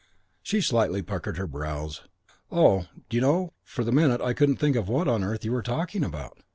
She slightly puckered her brows. "Oh d'you know, for the minute I couldn't think what on earth you were talking about.